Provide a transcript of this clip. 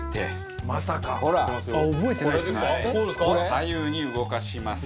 左右に動かします。